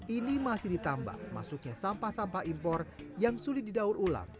ini masih ditambah masuknya sampah sampah impor yang sulit didaur ulang